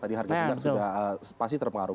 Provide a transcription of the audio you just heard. tadi harga sudah pasti terpengaruh